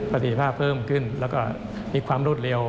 ปฏิภาพเพิ่มขึ้นและมีความลดเร็ว